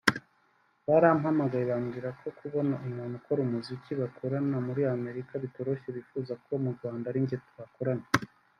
barampamagaye bambwira ko kubona umuntu ukora umuziki bakorana muri Amerika bitoroshye bifuza ko mu Rwanda ari njye twakorana